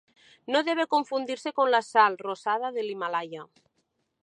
No debe confundirse con la Sal rosada del Himalaya.